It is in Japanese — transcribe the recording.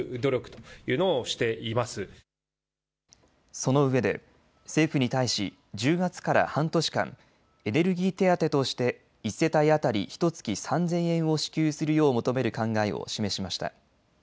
そのうえで政府に対し１０月から半年間エネルギー手当として１世帯当たりひとつき３０００円を支給するよう求める考えを示しました。